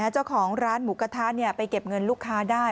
เจ้าของร้านหมูกระทะไปเก็บเงินลูกค้าได้